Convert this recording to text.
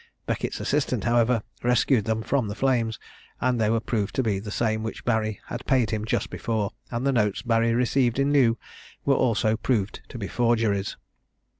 Beckett's assistant, however, rescued them from the flames, and they were proved to be the same which Barry had paid him just before; and the notes Barry received in lieu were also proved to be forgeries.